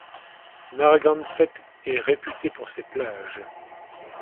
Narragansett est réputée pour ses plages.